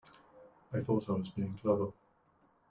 I thought I was being clever.